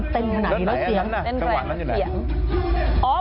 เต้นไหนแล้วเสียง